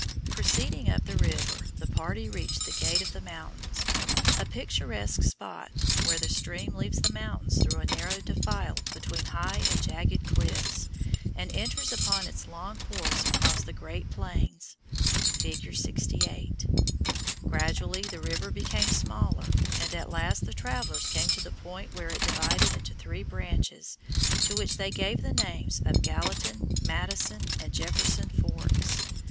Proceeding up the river, the party reached the Gate of the Mountains a picturesque spot where the stream leaves the mountains through a narrow defile between high and jagged cliffs and enters upon its long course across the Great Plains (Fig. 68). Gradually the river became smaller, and at last the travellers came to the point where it divided into three branches, to which they gave the names of Gallatin, Madison, and Jefferson forks.